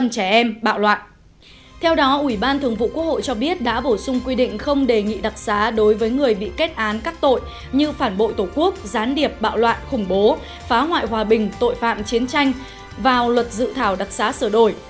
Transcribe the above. chí tiết đã bổ sung quy định không đề nghị đặc xá đối với người bị kết án các tội như phản bội tổ quốc gián điệp bạo loạn khủng bố phá hoại hòa bình tội phạm chiến tranh vào luật dự thảo đặc xá sửa đổi